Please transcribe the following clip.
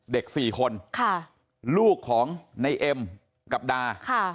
เด็ก๔คนลูกของในเอ็มกับดา